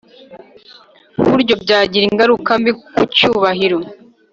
Buryo byagira ingaruka mbi ku cyubahiro